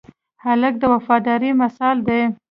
هلک د وفادارۍ مثال دی.